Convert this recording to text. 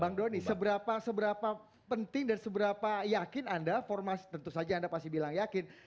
bang doni seberapa penting dan seberapa yakin anda tentu saja anda pasti bilang yakin